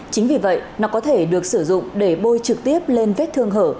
chính vì vậy nó có thể được sử dụng để bôi trực tiếp lên vết thương hở